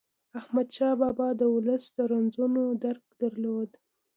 احمدشاه بابا د ولس د رنځونو درک درلود.